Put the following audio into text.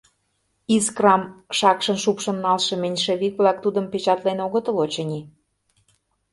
— «Искрам» шакшын шупшын налше меньшевик-влак тудым печатлен огытыл, очыни.